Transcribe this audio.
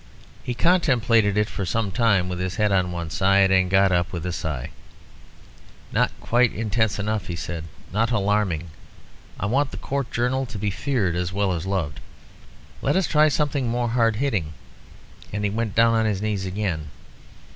He contemplated it for some time, with his head on one side, and got up, with a sigh. "Not quite intense enough," he said "not alarming. I want the Court Journal to be feared as well as loved. Let's try something more hard hitting." And he went down on his knees again.